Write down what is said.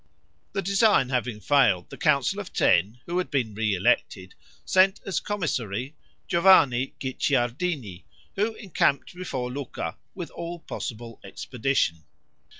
The design having failed, the Council of Ten, who had been re elected, sent as commissary, Giovanni Guicciardini, who encamped before Lucca, with all possible expedition.